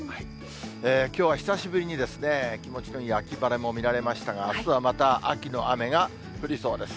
きょうは久しぶりに気持ちのいい秋晴れも見られましたが、あすはまた、秋の雨が降りそうです。